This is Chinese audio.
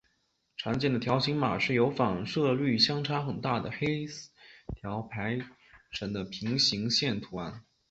常见的条形码是由反射率相差很大的黑条排成的平行线图案。